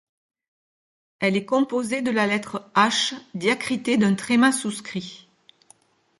Elle est composée de la lettre H diacritée d’un tréma souscrit.